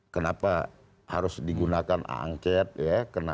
kenapa harus digunakan angket ya